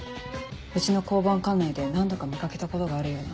うちの交番管内で何度か見掛けたことがあるような。